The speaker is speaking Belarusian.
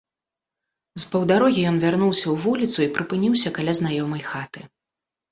З паўдарогі ён вярнуўся ў вуліцу і прыпыніўся каля знаёмай хаты.